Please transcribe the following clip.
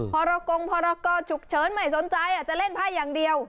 พระรกงพระก็ขุบเชิญไม่สนใจจะเล่นภาคอย่างเดียว